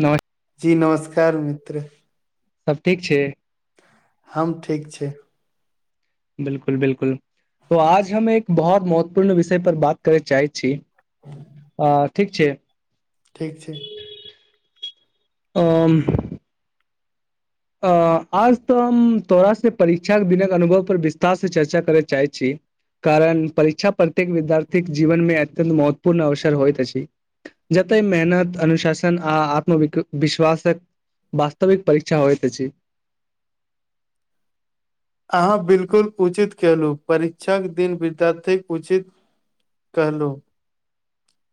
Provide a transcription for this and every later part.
नै जी नमस्कार मित्र। सब ठीक छी? हम ठीक छी। बिल्कुल-बिल्कुल तो आज हम एक बहोत महत्वपूर्ण विषय पर बात करय चाहै छी। आ ठीक छै। ठीक छैई। ओम् - - अ आज तऽ हम तोरासँ परीक्षाके दिनक अनुभव पर विस्तारसँ चर्चा करय चाहैत छी। कारण परीक्षा प्रत्येक विद्यार्थी जीवनमे अत्यत महत्वपूर्ण अवसर होय तो अछि। जतय मेहनत अनुशासन आ आत्म वि- विश्वासक - वास्तविक परीक्षा होइत छैई। अहाँ बिल्कुल उचित केलहु परीक्षाक दिन विद्यार्थीक उचित- - कहलो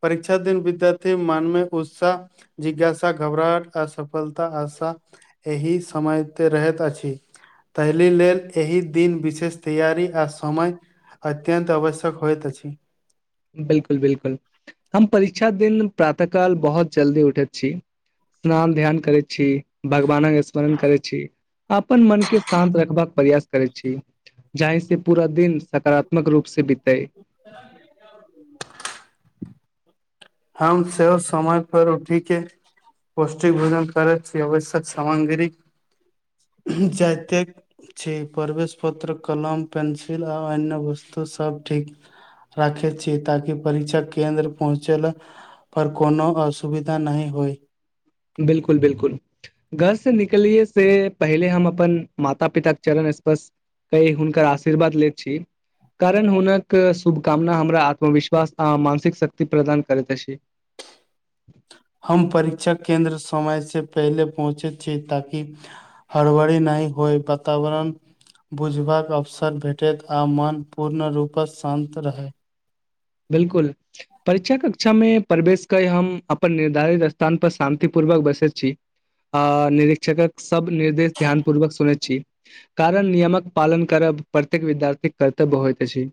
परीक्षा दिन विद्यार्थी मनमे उत्साह- - जिज्ञासा, घबराहट, असफलता, आाशा- - एहि समय त रहैत अछि तहिल लेल- - एहि दिन विशेष तैयारी आ समय अत्यन्त आवश्यक होइत अछि- - बिलकुल- बिलकुल हम परीक्षा दिन प्रातः काल बहुत जल्दी उठैत छी- - स्नान ध्यान करै छी भगवानक अस - स्मरण करै छी, अपन मन के शान्त रखबाक प्रयास- - करै छी जाहि स पूरा दिन सकारात्मक रूप से बीतै- - उ हम सब समाय पर उठिके - - पौष्टिक भोजन कर व्यव सामग्री जातिक- - छी प्रवेश पत्र कलम पेंसिल आ अन्य वस्तु सब ठीक- - राखे छी ताकि परीक्षा केंन्द्र पहुँचल- - पर कोनो असुविधा नहि होई। बिल्कुल- बिल्कुल- - घर से निकलियै से पहिले हम अपन माता- पिताके चरण स्पर्श- - ते हुनकर आशीर्वाद ले छीई। कारण हुनक शुभकामना हमरा आत्मविश्वास आ मानसिक शक्ति प्रदान करैत अछि। हम परीक्षा केंन्द्र समय से पहिले पहुँचे छी ताकि- - हड़बरी नहि होइ वातावरण- - बुझ बाक अवसर भेटैत आ मन पूर्ण रूपसँ शान्त रहैई। बिलकुल - - परीक्षा कक्षामे प्रवेश क हम अपन निर्धारित स्थान पर शान्ति पूर्वक बैसल छी। अ निरीक्षकक सब निर्देश ध्यान पूर्वक सुनैत छी। कारण नियमक पालन करब प्रत्येक विद्यार्थी कर्तव्य होइत अछि।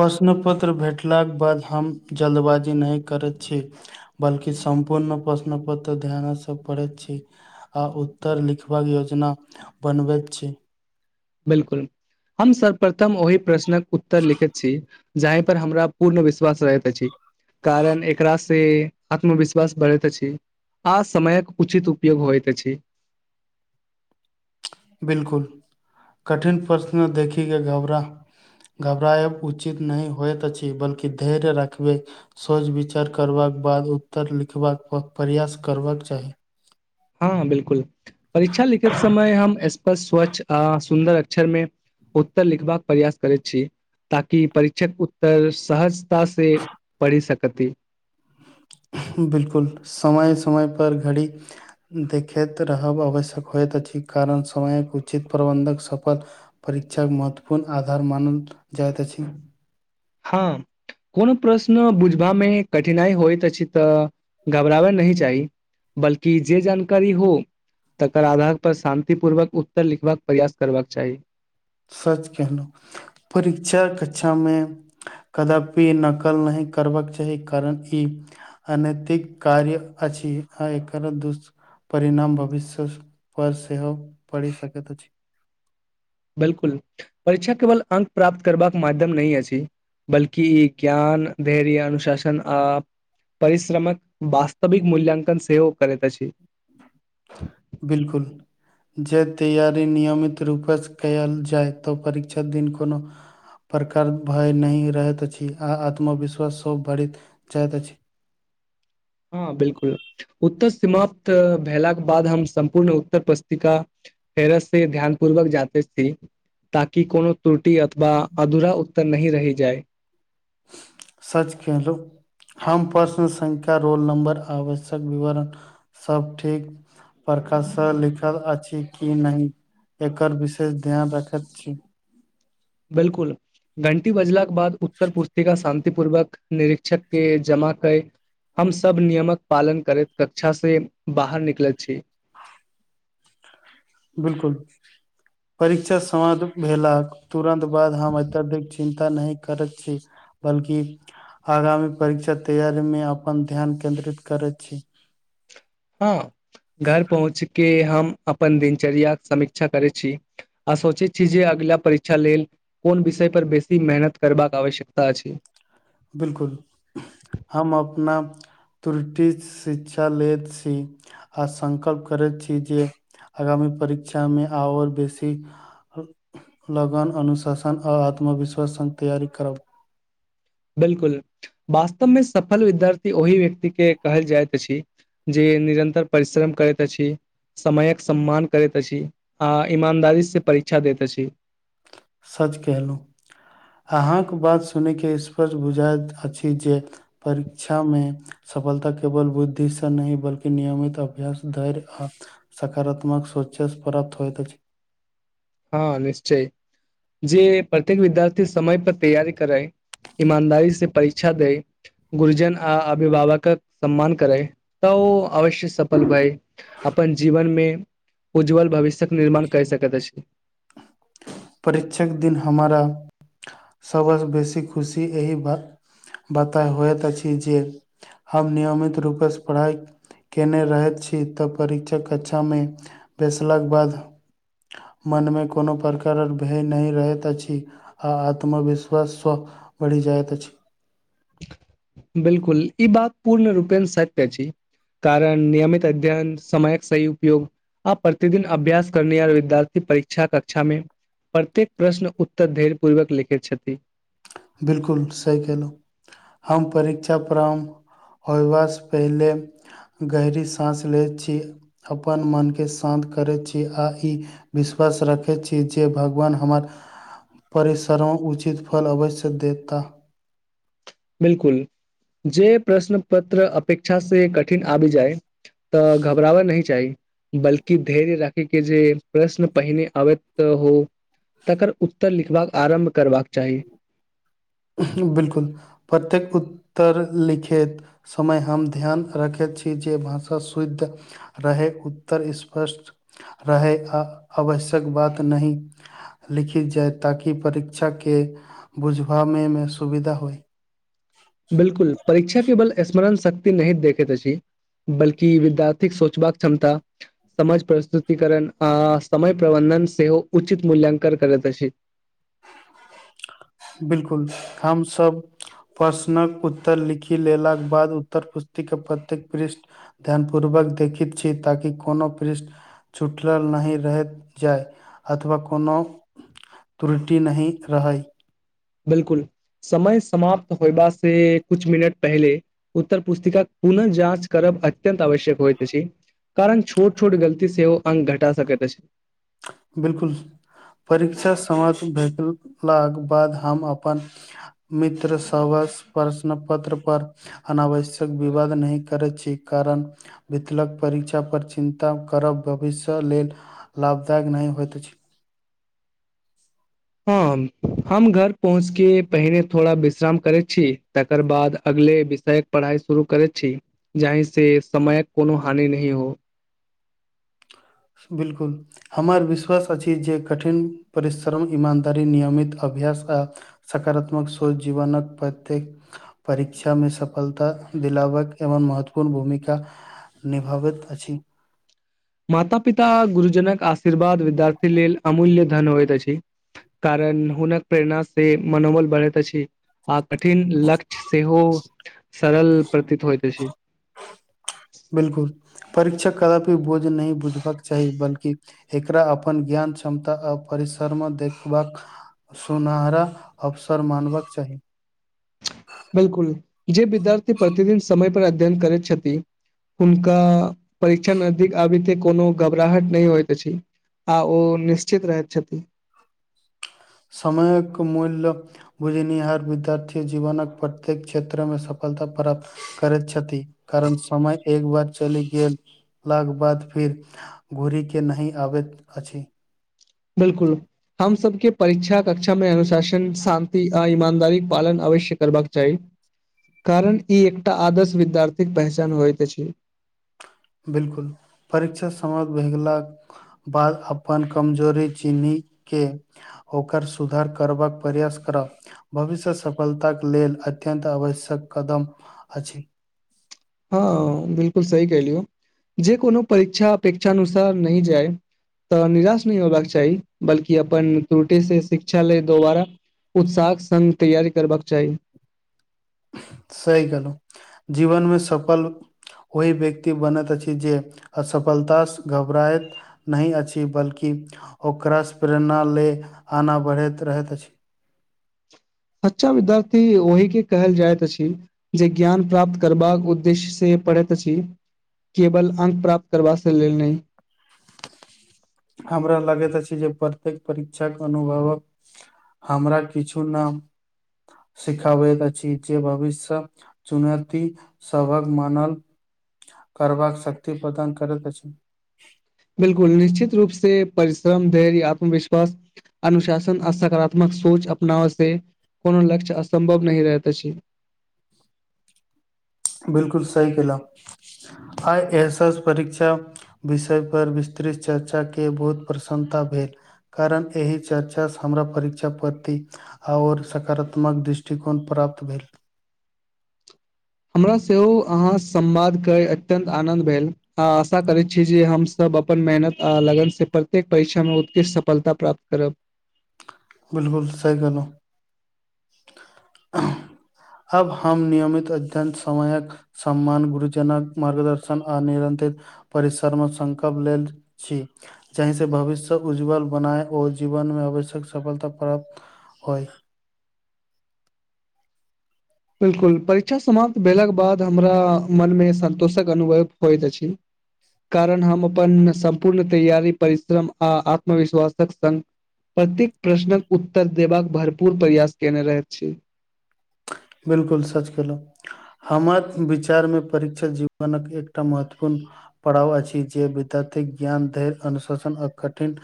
प्रश्न पत्र भेटलाक बाद हम जल्दबाजी नहि करैत छी। बल्कि सम्पूर्ण प्रश्न पत्र ध्यानसँ पड़ैत छि। आ उत्तर लिखबाक योजना बनबैत छी। बिलकुल हम सर्वप्रथम ओहि प्रश्नक उत्तर लिखैत छी। जाहि पर हमरा पूर्ण विश्वास रहैत अछि। कारण एकरास से आत्मविश्वास बढ़ैत अछि। आ समयक उचित उपयोग होयइत अछि। बिलकुल कठिन प्रश्न देखि के घबराह- - घबराएब उचित नहि होयइत अछि बल्कि धैर्य रखबै। सोच विचार करबाक बाद उत्तर लिखबाक प्रयास करबाक चाही। हँ बिल्कुल परीक्षा लिखित समय हम स्पष् स्वच्छ आ सुन्दर अक्षर मे- - उत्तर लिखबाक प्रयास करैत छी। ताकि परीक्षक उत्तर सहजता से पढ़ि सकति। बिलकुल समय-समय पर घड़ी देखैत रहब आवश्यक होएत अछि कारण समय के उचित प्रबन्धक सफल परीक्षाक महत्वपूर्ण आधार मानल जाएत अछि। हां। कोनो प्रश्न बुझबा मे कठिनाई होएत अछि तऽ घबराबय नहि चाही। बल्कि जे जानकारी हो तकर आधार पर शान्तिपूर्वक उत्तर लिखबाक प्रयास करबाक चाही। सच कहलौ परीक्षा कछा मे कदापि नकल नहि करबाक चाही कारण ई अनैतिक कार्य अछि आ एकरा दोस परिणाम भविष्य पर सेहो पड़ि सकैत अछि। बिलकुल परीक्षा केवल अंक प्राप्त करबाक माध्यम नहि अछि। बल्कि ई ज्ञान, धैर्य, अनुशासन आ परिश्रमक वास्तविक मूल्यांकन सेहो करैत अछि। बिलकुल। जे तैयारी नियमित रूपे से कयल जाय तऽ परीक्षा दिन कोनो प्रकार भय नहि रहैत अछि आ आत्मविश्वासो बढ़ैत जाएत अछि। हां बिलकुल उत्तर सीमाप्त भेला के बाद हम सम्पूर्ण उत्तर पस्तिका फेरस से ध्यान पूर्वक जांचत छी ताकि कोनो त्रुटि अथवा अधूरा उत्तर नहि रहि जाय। सच केहलु। हम प्रश्न संख्या, रोल नंबर आवश्यक विवरण सब ठीक प्रकार सँ लिखल अछि कि नहि एकर विशेष ध्यान रखत छी। बिलकुल घंटी बजला के बाद उत्तर पुस्तिका शान तिपूर्वक निरीक्षक के जमा कै हम सब नियमक पालन करैत कक्षा से बाहर निकलत छी। बिलकुल परीक्षा समाप्त भेलाक तुरन्त बाद हम अत्यधिक चिन्ता नहि करत छी, बल्कि आगामी परीक्षा तैयारी मे अपन ध्यान केन्द्रित करैत छी। हां घर पहुँच के हम अपन दिनचर्याक समीक्षा करै छी। आ सोचैत छी जे अगला परीक्षा लेल कोन विषय पर बेसी मेहनत करबाक आवश्यकता छै। बिलकुल हम अपना त्रुटि शिक्षा लेत छी आ संकल्प करैत छी जे अगामी परीक्षा मे आओर बेसी अ लगन, अनुशासन आ आत्मविश्वास संग तैयारी करब। बिलकुल वास्तव मे सफल विद्यार्थी ओहि व्यक्ति के कहल जाएत अछि। जे निरन्तर परिश्रम करैत अछि। समयक सम्मान करैत अछि आ ईमानदारी से परीक्षा दैत अछि। सच केहलु। अहाँ के बात सुनै के स्पष्ट बुझाएत अछि जे परीक्षा मे सफलता केवल बुद्धि से नहि बल्कि नियमित अभ्यास, धैर्य आ सकारात्मक सोचे से प्राप्त होएत अछि। हां निश्चय जे प्रत्येक विद्यार्थी समय पर तैयारी करै ईमानदारी से परीक्षा देै गुर्जन आ अभिभावकक सम्मान करै तऽ ओ अवश्य सफल भै। अपन जीवन मे उज्जवल भविष्य्यक निर्माण कै सकैत अछि। परीक्षक दिन हमारा। सभस बेसी खुशी एहि बात बाता होइत अछि जे। हम नियमित रूपेस पढ़ाई। केने रहैत छी तऽ परीक्षक कक्षामे बेैसलाक बाद। मनमे कोनो प्रक। कारण भय नहि रहैत अछि आ आत्मविश्वास स्व बढ़ि जाइत अछि। बिलकुल ई बात पूर्ण रूपेण सत्य अछि। कारण नियमित अध्ययन समयक सही उपयोग। आब प्रतिदिन अभ्यास करने यार विद्यार्थी परीक्षा कक्षा मे। प्रत्येक प्रश्न उत्तर धेर पूर्वक लिखैत छथि। बिलकुल सही केहलु हम परीक्षा फ्राम। होयबासँ पहिले गहरी साँस लैत छी। अपन मनके शान्त करैत छी आ ई। विश्वास रखैत छी जे भगवान हमर परिसरो उचित फल अबस। देता। बिलकुल जे प्रश्न पत्र अपेक्षा से कठिन आब जाइ। तऽ घबराबय नहि चाही। बल्कि धैर्य राखै के जे प्रश्न पहिने आबैत हो। तकर उत्तर लिखबाक आरम्भ करबाक चाही। बिलकुल प्रत्येक उत्तर लिखैत। समय हम ध्यान रखैत छी जे भाषा शुद्ध। रहे उत्तर स्पष्ट रहे आ आवश्यक बात नही। लिखी जाय ताकि परीक्षा के बुझबाबे मे सुविधा होय। बिलकुल परीक्षा केवल स्मरण शक्ति नहि देखेत अछि। बल्कि विद्यार्थीक सोचबाक क्षमता। समज प्रस्तुतिकरण आ समय प्रबन्धन सेहो उचित मूल्यांकन करैत अछि। बिलकुल हमसब। प्रश्नक उत्तर लिखि लेलाके बाद उत्तर पुस्तिके प्रत्येक पृष्ठ। ध्यान पूर्वक देखैत छी ताकि कोनो पृष्ठ। छुटलल नहि रहैत जाय अथवा कोनो। त्रुटि नहि रहै। बिलकुल समय समाप्त होयबा से कुछ मिनट पहले। उत्तर पुस्तिकाक पुनः जाँच करब अत्यंत आवश्यक होइत अछि। कारण छोट छोट गलती सेओ अंक घटा सकैत अछ। बिलकुल परीक्षा समाप्त भेटलाक बाद हम अपन। मित्र सबस प्रश्न पत्र पर। अनावश्यक विवाद नहि करै छी कारण। वितलक परीक्षा पर चिन्ता करब भविष्य लेल लाभदायक नहि होइत अछि। हम हम घर पहुँच के पहिरे थोड़ा विश्राम करे छी तकर बाद अगले विषय। पढ़ाई शुरू करे छी जाहि से समयक कोनो हानि नही हो। बिलकुल। हमर विश्वास अछि जे कठिन परिश्रम ईमानदारी नियमित अभ्यास आ। सकारात्मक सोच जीवनक प्रत्येक। परीक्षा मे सफलता दिलावक एवं महत्वपूर्ण भूमिका निभऽबैत अछि। माता पिता, गुरुजनक आशीर्बाद विद्यार्थी लेल, अमूल्य धन होइत अछि। कारण, हुनक प्रेरणा से मनोबल बढ़ैत अछि। आ कठिन लक्ष्य सेहो सरल प्रतीत होइत अछि। बिलकुल परीक्षा कदापि बोझ नै बुझबाक चाही बल्कि एकरा अपन ज्ञान क्षमता आ परिसर म देखबाक सुनहरा अवसर मानबाक चाही। बिल्कुल, जे बिद्यार्थी प्रतिदिन समय पर अध्ययन करैत छथि हुनका परीक्षा नजदीक आबैते कोनो घबराहट नहि होइत अछि। आ ओ निश्चित रहैत छति। समयक मूल्य बुझनिहार विद्यार्थी जीवनक प्रत्येक क्षेत्रमे सफलता प्राप्त करैत छति। कारन समय एक बार चलि गेल, लाक बाद फिर, घुरी के नही आबैत अछि। बिलकुल। हम सबके परीक्षा कक्षा मे अनुशासन, सान्ति आ ईमानदारिक पालन अवश्य करबाक चाही। कारन, ई एकटा आदर्श विद्यार्थीक पहचान होइत अछि। बिलकुल परीक्षा समाप्त भए गेलाक बाद अपन कमजोरी चीनिके ओकर सुधार करबाक प्रयास करऽ भविष्य सफलताक लेल अत्यन्त आवश्यक कदम अछि। हाँ बिलकुल सही कहेलियौ। जे कोनो परीक्षा अपेक्षाानुसार नइ जाइ। त निराश नहि होयबाक चाही, बल्कि अपन त्रुटि से शिक्षा ले दोबारा उत्साहक संग तैयारी करबाक चाही। सही कहलहु, जीवन मऽ सफल ओहि व्यक्ति बनत अछि जे असफलतास घबराइत नहि अछि, बल्कि ओकरास प्रेरणा ले आना बढ़ैत रहैत अछि। सच्चा विद्यार्थी ओहि के कहल जाइत अछि जे ज्ञान प्राप्त करबाक उद्देश्य से पड़ैत अछि। केवल अंक प्राप्त करबा से लेल नै। हमरा लगैत अछि जे प्रत्येक परिक्षाक अनुभवक हमरा किछु नाम सिखाबैत अछि, जे भबिसत चुनरती सबहक मानल, करबाक शत्य प्रदान करैत अछि। बिलकुल निश्चित रूप से परिश्रम धैर्य आत्मविशवास अनुशासन आ सकारात्मक सोच अपनाव से कोनो लक्ष्य असंभव नहि रहैत अछि। बिलकुल सही केलउ। आइ एस एस परीक्षा बिषय पर विस्तृत चर्चा के बहुत प्रसन्नता भेल। कारण एहि चर्चासँ हमरा परीक्षा प्रति आओर सकारत्मक दृष्टिकोण प्राप्त भेल। हमरा सेहो अहाँ संमवादक अत्यन्त आनन्द भेल। आ आसा करै छी जे हमसब अपन मेहनत आ लगनसँ प्रत्येक परीक्षामे उत्कृष्ट सफलता प्राप्त करब। बिलकुल सहि कहलौ। [inaudible] अब हम नियमित अध्यन समयक सम्मान गुरुजनक मार्गदर्शन आ निरंतित परिसर मे संकल्प लेत छी। जाहिसँ भविष्य उज्ज्वल बनाय ओ जीबनमे आवश्यक सफलता प्राप्त होइ। बिल्कुल परीक्षा समाप्त भेलाके बाद हमरा मनमे सन्तोषक अनुभव होइत अछि। कारण हम अपन सम्पूर्ण तैयारी परिश्रम आ आत्मविश्वासतक संग प्रतेक प्रश्नक उत्तर देबाक भरपूर प्रयास केने रहै छी। बिलकुल सच कहलों। हमर विचारमे परीक्षा जीबनक एकटा महत्वपूर्ण पड़ाव अछि जे विद्यार्थी ज्ञान धैर अनुशासन आ कठिन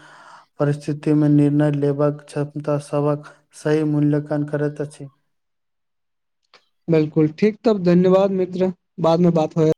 परिस्थिति मे निर्णय लेबाक क्षमता सबक सही मूल्यकान करैत अछि। बिलकुल ठीक तब धन्यबाद मित्र बाद मे बात होय।